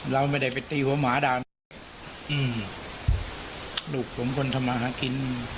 เราไม่ได้ไปตีหัวหมาดาวอืมลูกผมคนธรรมาฮะกิน